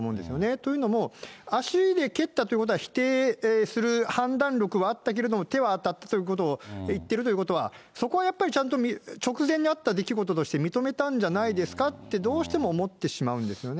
というのも、足で蹴ったということは否定する判断力はあったけれども、手は当たったということを言ってるということは、そこはやっぱりちゃんと直前にあった出来事として認めたんじゃないですかとどうしても思ってしまうんですよね。